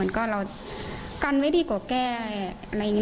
ก็เรากันไว้ดีกว่าแก้อะไรอย่างนี้